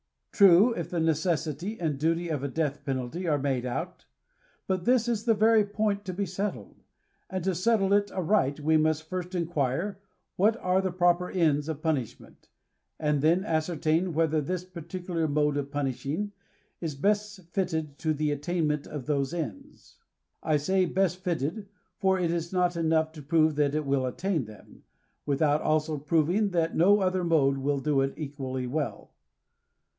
True, if the necessity and duty of a death penalty are made out ; but this is the very point to be settled. And to settle it aright, we must first inquire, what are the proper ends of pun ishment, and then ascertain whether this particular mode of punishing is best fitted to the attainment of those ends. I say best fitted, for it is not enough to prove that it will attain them, without also proving that no other mode will do it equally well.